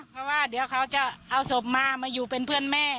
เพราะว่าเดี๋ยวเขาจะเอาศพมามาอยู่เป็นเพื่อนแม่